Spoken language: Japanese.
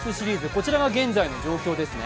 こちらが現在の状況ですね。